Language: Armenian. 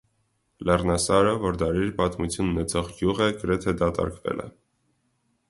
Լեռնասարը, որ դարերի պատմություն ունեցող գյուղ է, գրեթե դատարկվել է։